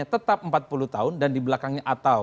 tetap empat puluh tahun dan di belakangnya atau